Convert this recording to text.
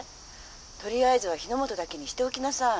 とりあえずは日ノ本だけにしておきなさい」。